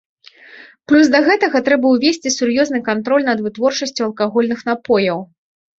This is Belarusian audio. Плюс да гэтага трэба ўвесці сур'ёзны кантроль над вытворчасцю алкагольных напояў.